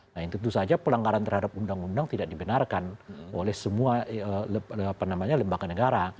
nah yang tentu saja pelanggaran terhadap undang undang tidak dibenarkan oleh semua lembaga negara